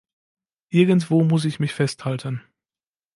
Irgendwo muss ich mich festhalten.